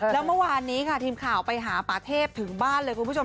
แล้วเมื่อวานนี้ค่ะทีมข่าวไปหาป่าเทพถึงบ้านเลยคุณผู้ชม